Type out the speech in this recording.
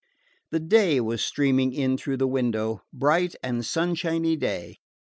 The day was streaming in through the window bright and sunshiny day.